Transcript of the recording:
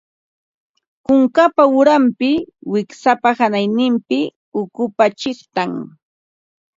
Kunkapa uranpi, wiksapa hanayninpi ukupa chiqtan